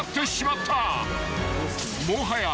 ［もはや］